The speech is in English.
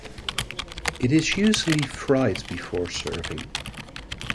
It is usually fried before serving.